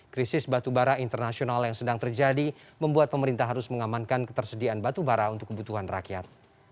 krisis batubara internasional yang sedang terjadi membuat pemerintah harus mengamankan ketersediaan batubara untuk kebutuhan rakyat